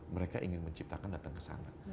mereka ingin menciptakan datang ke sana